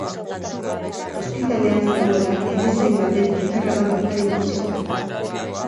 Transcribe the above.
Ospitalean zegoela, erizain batek gitarra bat oparitu zion.